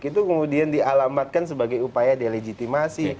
itu kemudian dialamatkan sebagai upaya delegitimasi